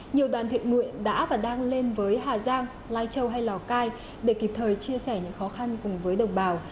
nhiều đoàn thiện nguyện đã và đang lên với hà giang lai châu hay lào cai để kịp thời chia sẻ những khó khăn cùng với đồng bào